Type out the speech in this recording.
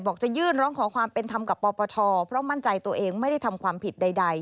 จะยื่นร้องขอความเป็นธรรมกับปปชเพราะมั่นใจตัวเองไม่ได้ทำความผิดใด